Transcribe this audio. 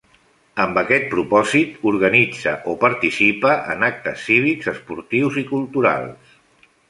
Amb aquest propòsit, organitza o participa en actes cívics, esportius i culturals.